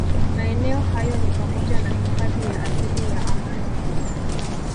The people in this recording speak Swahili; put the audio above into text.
Maeneo hayo ni pamoja na hifadhi ya asili ya Amani